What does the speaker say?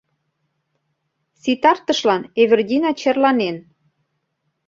Ситартышлан Эвердина черланен.